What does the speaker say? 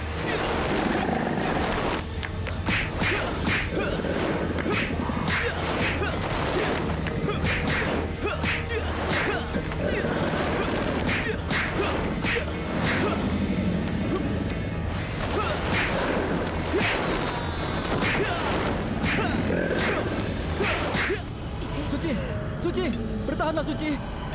suci suci bertahanlah suci